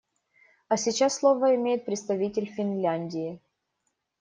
А сейчас слово имеет представитель Финляндии.